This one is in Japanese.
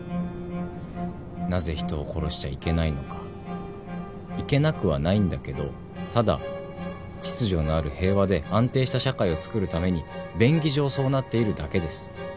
なぜ人を殺しちゃいけないのかいけなくはないんだけどただ秩序のある平和で安定した社会をつくるために便宜上そうなっているだけです。